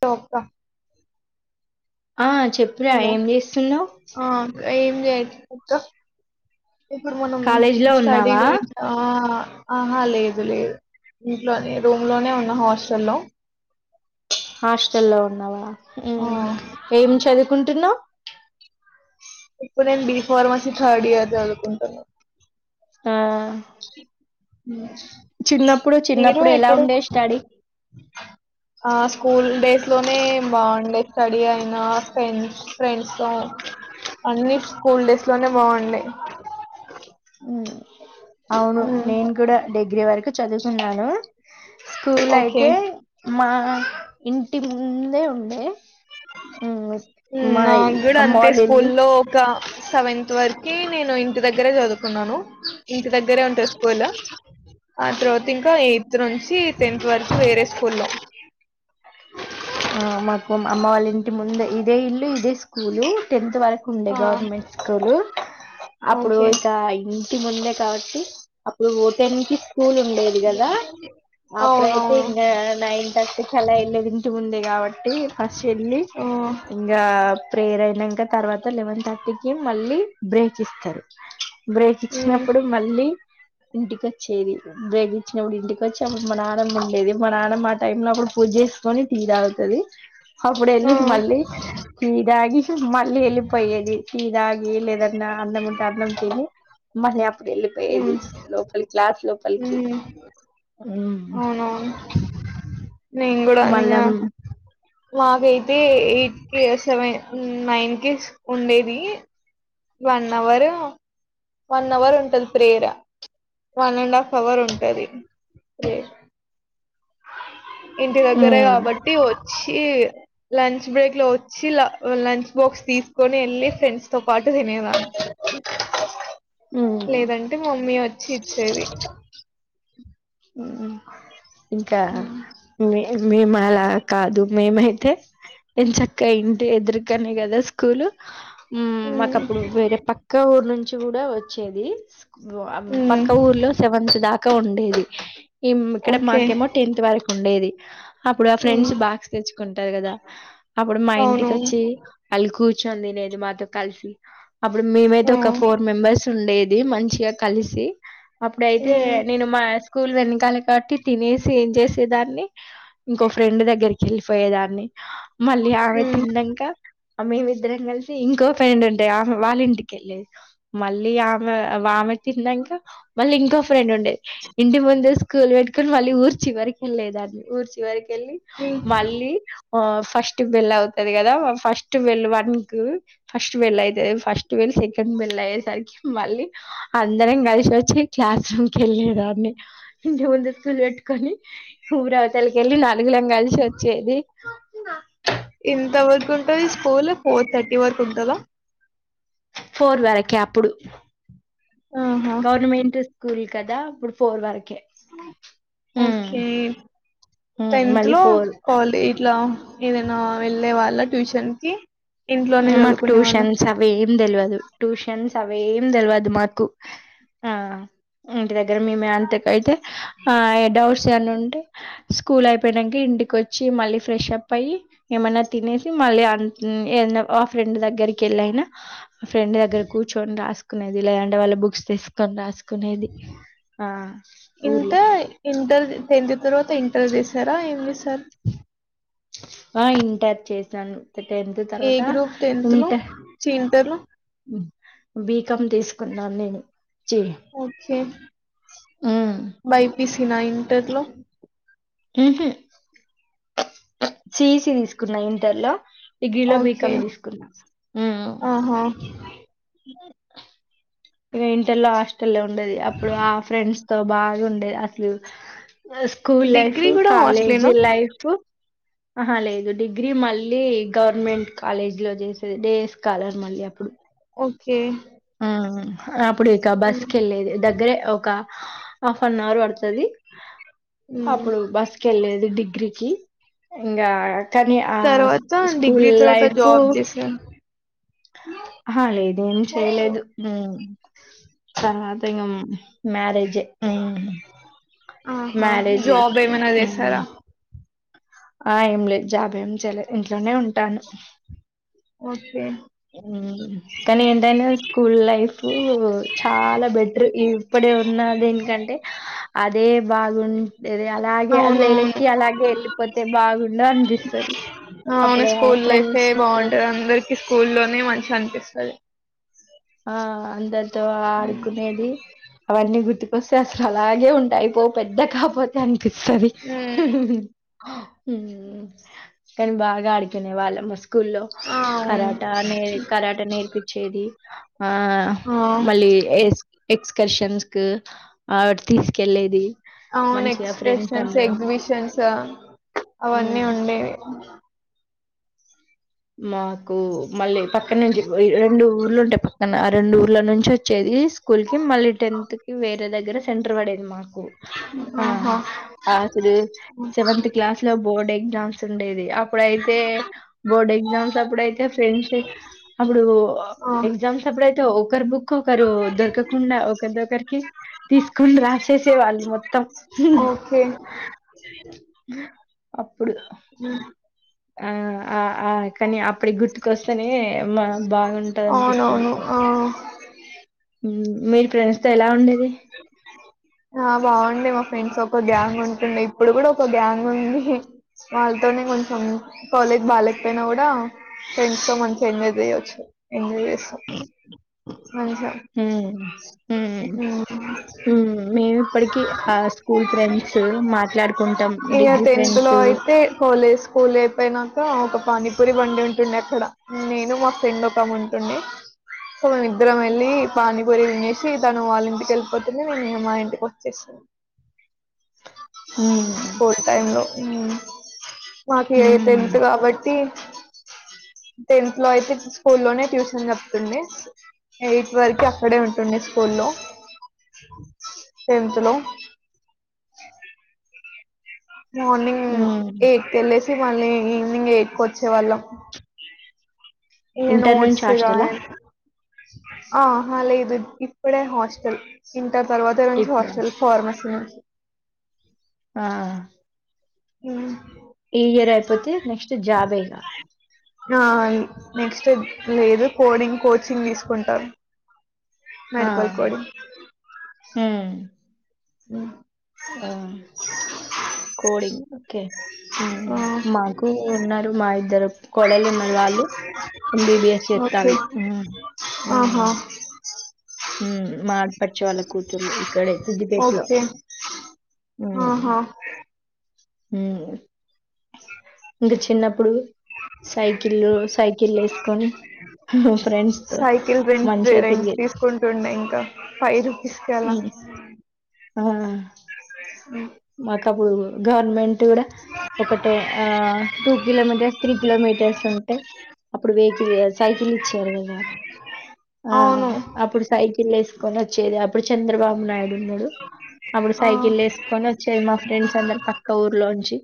తోకా ఆ చెప్పురా హలో ఏం చేస్తున్నవ్ ఆ ఏం జేయట్లే ఇప్పుడు మనం కాలేజ్ లో స్టడీ ఉన్నావా గురించి ఆ ఆహా లేదు లేదు ఇంట్లోనే రూమ్ లోనే ఉన్న హాస్టల్లో హాస్టల్లో ఉన్నావా ఆ ఏం చదువ్ కుంటున్నవ్ ఇప్పుడు ఎం బీజ్ ఫార్మసీ థర్డ్ ఇయర్ చదువుకుంటున్నా ఆ హ్మ్ చిన్నప్పుడు మీరు చిన్నప్పుడు ఎలా ఎక్కడఆ ఉండే స్టడీ స్కూల్ డేస్ లోనే బాగుండే, స్టడీ అయినా ఫ్రెండ్స్ ఫ్రెండ్స్ తో అన్నీ, స్కూల్ డేస్ లోనే బాగుండే ఉ అవును నేను గుడా డిగ్రీ వరకు చదువు ఉన్నానూ స్కూలై తే ఓకే మా ఇంటి మూందే ఉండే ఉమ్, ఉమ్ మా నాగ్గూడా అమ్మ అంతే వాళ్ళ ఇల్లు స్కూల్లో ఒక సెవెంత్ వరకి నేను ఇంటి దగ్ గ్గరే చదువుకున్నానూ ఇంంటి దగ్గరే ఉంటది స్కూలు ఆ త్రోత్ ఇంకా యేత్ నుంచ్ కీ టెన్త్ వరకు వేరే స్కూల్లో ఆ మాకు మా అమ్మ వాళ్ళ ఇంటి ముందే ఇదే ఇల్లు ఇదే స్కూల్ టెన్త్ వరకు ఉండే ఆ, గవర్నమెంట్ స్కూల్. అప్పుడు ఓకే ఇక ఈ ముందే కాబట్టి అప్పుడు ఓ టెన్ కి స్కూల్ ఉండేది కదా అప్పుడయితే అవునవును ఇంగా నైన్ థర్టీకల్ల వెళ్లేది టు ఉంది కాబట్టి ఫస్ట్ వెళ్ళి ఆ, ఇంగా ప్రేయర్ అయినంక తర్వాత లెవెన్ థర్టీకిి మళ్ళీ బ్రేక్ ఇస్తరు బ్రేక్ ఉమ్, ఇచ్చినప్పుడు మళ్ళీ ఇంటికి వచ్చేది బ్రేక్ ఇచ్చినప్పుడు ఇంటికి వచ్చి, అప్పుడు మా నానమ్మ ఉండేది మా నానమ్మ ఆ టైమ్ లో అప్పుడు పూజ చేసి కొని టీ తాగుతది అప్పుడు ఆ, వెళ్ళి మళ్ళీ, టీ దాగి మళ్ళీ వెళ్లిపోయేది టీ తాగి లేదన్న అన్నం ఉంటే అన్నం తిని, మళ్ళీ అప్పుడు వెళ్ళిపోయేది లోపలి క్లాస్ లో మ్ మ్ అవునవును మేమ్ కూడా అన్నయ్య మళ్ళా మాకైతే ఎయిట్ కి సెవెన్ నైన్ కి ఉండేది, వన్ అవర్ వన్ అవర్ ఉంటది prayer one and half power ఉంటది రే ఇంటి దగ్గరే మ్మ్ కాబట్టి వచ్చి లంచ్ బ్రేక్ లో వచ్చి లా లంచ్ బాక్స్ తీసుకొని వెళ్ళి ఫ్రెండ్స్ తో పాట్ ట్ తినేవాల్ మ్మ్ లేదంటే మమ్మీ వ చిచ్చేది మ్మ్ ఇంకా మ్మ్ మి మేము అలా కాదు మేమైతే ఎంచక్కా ఇంటి ఎదురుగనే కదా స్కూలు మ్ మాకు అప్పుడు వేరే పక్క ఊరు నుంచి కూడా వచ్చేది మ్మ్ పక్క ఊర్లో సెవెన్స్ దాక్ క్క ఉండేది ఈమ్ ఇక్కడ ఓకే మాకేమో టెన్త్ వరకు ఉండేది అప్పుడు ఆ మ్మ్ ఫ్రెండ్స్ బాక్స్ తెచ్చు కొంటారు కదా అప్పుడు మా అవును ఇంటికి వచ్చి పలుకు చ్చాంది నేను మాతో కల్సి అప్పుడు మేమైతే ఆ ఒక ఫోర్ మెంబర్స్ ఉండేద్ ది మంచిగ కలిసి అప్పుడైతే మ్మ్ నెను మా స్కూల్వెని తాలే కాట్టి తినేసి ఏం చేసేదాన్ని ఇంకో ఫ్రెండ్ దగ్గరికి వెళ్ళిఎయేదాన్ని మళ్ళి ఆమె మ్మ్ తిన్నంక అ మేమిద్దరం కలిసి ఇంకో ఫ్రెండ్ ఉంటయి, ఆమె వాళ్ళ ఇంటికెళ్ళేది మళ్ళీ ఆమె ఆమె తిన్నంక మళ్ళింకో ఫ్రెండ్ ఉండేద్ ఇంటి ముందు స్ కూల్ వెట్టుకొని మళ్ళీ ఊర్చివరికెళ్ళేదాన్ని ఊర్చివరిక్ కెళ్ళి మ్మ్ మళ్ళి ఓ ఫస్ట్ బెళ్ల్ళవుతుది కదా, ఫస్ట్ బెల్లు వన్ కు ఫస్ట్ బెళ్ల్ళయితది ఫస్ట్ వెళ్లి సెకండ్ బెల్ అయ్యేసరికి మళ్ళీ అందరం కలిశొ చ్చి క్లాస్ రూమ్కు ఎళ్ళే దా డే ఇంటి ముంద స్కూల్ వెట్టుకొని ఊరవ్తలకెళ్ళి ల నలుగులం కలిశొచ్చేది ఎంత వర్కుంటది స్కూలు ఫోర్ థర్టీ త్రీ వరకు వుంటదా పోర్ వరకే అప్పుడు ఆహా గవర్నమెంట్ స్ స్కూల్ కదా అప్పుడు ఫోర్ వరకే ఓకే టెన్త్ మళ్ళీ లో ఫోర్ కొలే ఇట్ల హ ఎదైనా వెళ్ళే వాళ్ళ ట్యూషన్ కి ఇంట్లోనే మకు చదువుకునే వాళ్ళ టూషన్స్ అవి ఏం తెల్వదు టూషన్స్ అవి ఏం తెల్వదు మాకు ఆ ఇంటి దగ్గ దీని మ అంత [unintelligible] కైతే ఆ ఇగ డౌట్స్ చని ఉంటే స్కూల్ అయిపొయినంక ఇంటికొచ్చి మళ్ళీ ఫ్రెష్ అప్ అయ్యి ఏమన్న తినేసి మళ్ళీ అ ఏదన్న ఆ ఫ్రెండ్ దగ్గరికెళ్ళైనా ఫ్రెండ్ దగ్గర కూర్చొని రాస్ కొనేదిల్య వాళ్ళ బుక్ తీసుకొని రాస్ కొనేది ఆ ఊర్లో ఇంటర్ ఇంటర్ టెన్త్ తర్వాత ఇంటర్ చేసారా ఏమ్ చెసారు ఆ ఇంటర్ చేసాను టెన్త్ ఏ తర్వాత గ్రూప్ టెన్త్ లో ఉంట చి ఇంటర్ లో బీకామ్ తీసు ఎందొ అన్నాడు ఓకే బై ఉమ్ బైపిసి నా ఇంటర్ లో మ్మ్ హ్మ్ సిఇసి తీసుకున్నావా ఇంటర్ లో డిగ్రీలో ఓకే బీకమ్ తీసుకున్నా బ ఆహా ఇక ఇంటర్ హస్ట హస్టల్ ఉండెది అప్పుడు ఆ ఫ్రెండ్స్ అక్కడ బాగా ఉండే అట్లు ఆ స్కూల్ లైఫ్ డిగ్రీ కూడా హాస్టలేనా కాలేజీ లైఫ్ ఆహ లేదు డిగ్రీ మళ్ళీ గవర్నమెంట్ కాలేజ్ లో చేసేది డేస్ కాలర్ మళ్ళీ అప్పుడు ఓకే ఆ అప్పుడు ఇక బస్ ఉమ్, కి వెళ్లేది దగ్గరే ఒక హాఫ్ అన్ అవర్ పడుతు ఉమ్. అప్పుడు బస్కి వెళ్ళలేది డిగ్ గ్రీకి ఇంకా కానీ ఆ తర్వాత స్కూల్ డిగ్రీ తర్వాత లైఫ జాబ్ చేశారు ఆ లేదేం చేయలేదు ఉ తర్వాత ఇగ మరేజ్ ఉ ఆహా మ్యారేజ్ జాబ్ ఉ ఏమైనా చేశారా హు ఆ ఏం లేదు, జాబ ఏం చేయలేదు. ఇంట్లోనే ఉంటాను. ఓకే ఉ కానీ ఎంటైనా స్కూల్లైఫ్ లైఫ్ చాలా బెటర్ ఇప్పుడే ఉన్నది ఏనికంటే అదే బాగుంటే అలాగే అది అవును అవును లేలక్కి అలాగే వెళ్ళిపోతే బాగుండ అనిపిస్తుంది. అవును అప్పుడు స్కూల్ లైఫే ఫ్రెండ్స్ బాగుంటది అందరికి స్కూల్లోనే మంచిగా అనిపిస్తుంది. ఆ అందరి తో ఆడుకునేది అవన్నీ గుర్తుకు వస్తే అసలు అలాగే ఉంటాయి. పో పెద్ద కాకపోతే అని సరి ఉమ్, హుహుహు [unintelligible] కానీ బాగాడికినే వాళ్ళ మస్ స్కూల్లో ఆ అవును కరాట నే కరాట నేర్పిచ్చేది. ఆ ఆ మల్లేష్ ఎక్స్కర్షన్స్ కి ఆ తీసుకెళ్ళేది. అవును మంచిగా ఫ్రెండ్స్ ఎక్స్ప్రెషన్స్, అందరం ఎగ్జిబిషన్స్ ఆ అవన్నీ ఉమ్ ఉండేవి. మావ్ ఊ మళ్ళీ పక్కన నుంచి రె రెండు ఊర్లు ఉంటాయి. పక్కన రెండు ఊర్ల నుంచి వచ్ చేరిస్ స్కూల్ కి, మళ్ళీ టెన్త్ కు వేరే దగ్గర సెంటర్ పడేది మాకు ఊ ఆ ఆహా! ఆసలు సెవెన్త్ క్లాస్ లో బోర్డు యే ఉంద్య [unintelligible] ఉండేది అప్పుడైతే బోర్డ్ ఎగ్జామ్స్ అప్పుడైతే ఫ్రెండ్షిప్ అప్పుడు ఓ ఆ! ఎగ్జామ్స్ అప్పుడే తో ఒకరి బుక్ ఒక్కొకరు దొరకకుండా, ఒక్కరిది ఒక్కరికి తీసుకొని రాసేసే వాళ్ళు మొత్తం. ఓకే. అప్పుడు ఆ ఆ ఆ కాని అప్పడి గుర్తుకొస్తానే బా బా బాగుంటది అనిపిస్తుది అవునవును. ఆ! ము మీరు ఫ్రెండ్స్ తో ఎలా ఉండే ఏ ఆ బాగుండ్యా మా ఫ్రెండ్స్ ఒక గ్యాంగ్ ఉంటుంటే ఇప్పుడు కూడా ఒక గ్యాంగ్ ఉంది, వాళ్ళతోనే కొంచెం కాలేజ్ బాగాలేకపోయినా కూడా ఫ్రెండ్స్ తో మంచి గా ఎంజాయ్ చేయొచ్చు, ఎంజాయ్ అ ఆ హ్మ్ హ్మ్ హ్మ్ మేము ఇప్పటికి ఆ స్కూల్ ఫ్రెండ్స్ మాట్లాడుకుంటాం ఇక డిగ్రీ టెన్త్ లో ఫ్రెండ్స్ అయితే కాలేజ్ స్కూల్ అయిపోయిన ఒక పానీపూరి బండి ఉంటుంది అక్కడ నేను మా ఫ్రెండ్ ఒక ఆమె ఉంటున్నే తో మేము ఇద్దరం వెళ్ళి పానీపురి తినేసి, తను వాళ్ళ ఇంటికి వెళ్ళిపోతునే నేను మా ఇంటికి వచ్చేసి హ్మ్ పోతనూ ఊ మాకు యే టెన్త్ హ్మ్ ఎంత కాబట్టి టెన్త్ లో అయితే స్కూలోనే ట్యూషన్ చెప్తున్నే ఎయిత్ వరకు అక్కడే ఉంటుండే స్కూలో టెన్త్ లో మార్నింగ్ హ్మ్ ఎయిట్ కె లే మళ్ళీ ఈనింగ్ ఎకొచ్చే వాళ్ళం ఇయ ఇంటర్ నుంచి నోట్స్గా హాస్టలా ఆహ లేదు ఇప్పుడే హాస్టల్ ఇ ట తర్వాత ఇ ఇప్పుడా హాస్టల్ ఫార్మస మ ఆ మ్ ఈ ఇయర్ అయిపోతే నెక్స్ట్ జాబే ఇగ ఆ నెక్స్ట్ లేదు కోడింగ్ కోచింగ్ తీసుకుంటార్ ఆ మెడికల్ కోడింగ్ హ్మ్ ఆ కోడింగ్ కే మ్మ్ ఆ మాకు ఉన్నారు మా ఇద్దరు కోడళ్ళు ఉన్నారు వాళ్ళు ఎంబిబిఎస్ ఓకే చేత్తాళ్ళు, మ్మ్ ఆహా హ్మ్. మ్మ్ మా ఆడ్ పచ్చు వాళ్ళ కూతుర్లు ఇక్కడే సిద్దిపేటలో. ఓకే ఆహా మ్మ్ ఇంకా చిన్నప్పుడు సైకిల్లు సైకిల్ వేసుకొని హ్హ్ హ్మ్ ఫ్రెండ్స్ తో సైకిల్ రెంట్ మంచిగా రెంట్ తిరిగి తీసుకుంటుండే ఇంకా ఫైవ్ రూపీస్ కి అలా మ్మ్. ఆహ మ్మ్ మాకప్పుడు గవర్మెం ట్ కూడ ఒకటే ఆ టూ కిలోమీటర్స్, త్రీ కిలోమీటర్స్ ఉంటే అప్పుడు వెహికిల్ సైకిల్ ఇచ్చారు కదా, ఆ అవును అప్పుడు సైకిల్ వేస్ కొనిచ్చేద అప్పుడు చంద్రబాబు నాయుడు ఉన్నాడు అప్పుడు ఆ సైకిల్ ఎ కొని వచ్చేది మా ఫ్రెండ్స్ అందరు పక్క ఊర్లోంచి,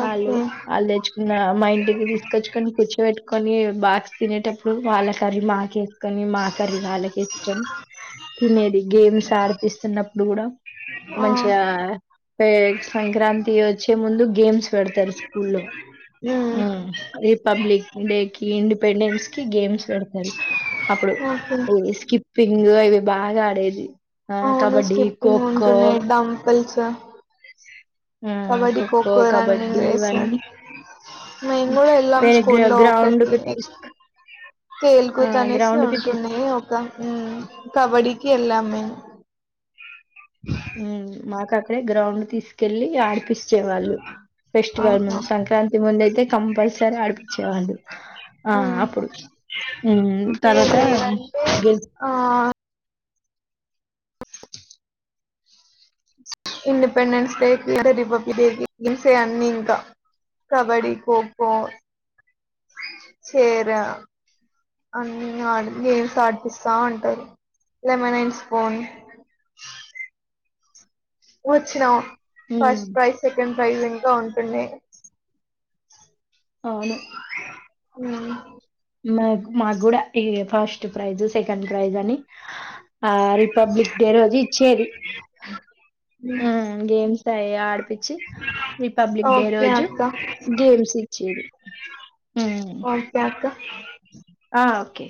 వాళ్ళు ఓకే వాళ్ళు తెచ్చుకున్న మా ఇంటికి తీసుకొచ్చుకొని కూర్చిట్టుకు కొని బక్ తినేటప్పుడు వాళ్ళ కర్రీ మాకేసుకొని, మా కర్రీ వాళ్ళక వేసుకొని, తినేది గేమ్స్ ఆడిపిస్తున్నప్పుడు కూడా ఆ మంచి అ ఎ సంక్రాంతి వచ్చే ముందు గేమ్ పెడతారు స్కూలో ఉమ్ రిపబ్లిక్ డే కి ఇండిపెండెన్స్ కి గేమ్స్ పెడతారు అప్పుడు ఓకే స్కిప్ పింగు ఇవి బాగా ఆడేది ఆ కబడ్డీ ఖోఖో పల్చ ఆ కబడి ఖోఖో, కోకో కబడ్డీ రన్నిింగ్ రేస్ ఇవన్నీ మేం ఉమ్, గూడ వెళ్ళాం వేరే గ్ర స్కూల్ లో ఒకటి గ్రౌండ్‌కి తీ ఎ ఆ! తేలుకత అనేసి గ్రౌండ్‌కి తీస్ ఉంటుంది ఒక ఉ కబడ్డీ ఎల్లాం మాకు అక్కడే గ్రౌండ్ తీసు కెళ్ళి ఆడిపిించేవాళ్ళు ఫెస్టివల్ ఆహా ముందు సంక్రాంతి ముందు అయితే కంపల్సరీ ఆడిపించేవాళ్ళు, ఆ మ్మ్ అప్పుడు ఇగ తర్వాత లేదంటే గె ఆ independence day, republic day, games అన్ని ఇంకా కబడ్డీ ఖోఖో చీర అన్ని ఆ గేమ్స్ ఆడిపిస్తా ఉంటారు, లెమన్ అండ్ స్పూన్ వచ్చినావు హ్మ్. ఫస్ట్ ప్రైజ్ సెకండ్ ప్రైజ్ ఇంకా ఉంటు అ అవును ఉ మా మాకు కూడా ఇ ఫస్ట్ ప్రైజ్ సెకండ్ ప్రైజ్ అని ఆ రిపబ్లిక్ డే రోజు ఇచ్చేది మ్ గేమ్ సయ పిచ్చి రిపబ్లిక్ డే ఓకే రోజు అక్క గేమ్స్ ఇచ్చేది మ్ ఓకే అక్క ఆ ఓకే